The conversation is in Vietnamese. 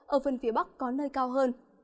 ở phần phía bắc có nơi cao hơn